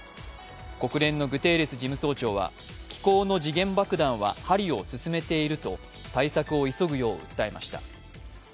国連のグテーレス事務総長は、気候の時限爆弾は針を進めていると対策を急ぐよう訴えました。